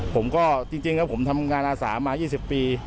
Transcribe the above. ผมก็จริงแล้วผมทำงานอาสามา๒๐ปี